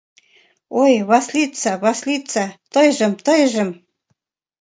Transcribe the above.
Ой, Васлица-Васлица, тыйжым-тыйжым